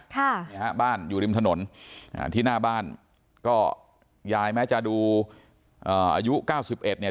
ค่ะเนี่ยฮะบ้านอยู่ริมถนนอ่าที่หน้าบ้านก็ยายแม้จะดูเอ่ออายุเก้าสิบเอ็ดเนี่ย